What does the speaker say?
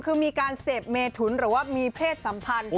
คือมีการเสพเมถุนหรือว่ามีเพศสัมพันธ์